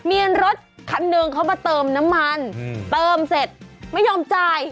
มีรถคันหนึ่งเขามาเติมน้ำมันเติมเสร็จไม่ยอมจ่าย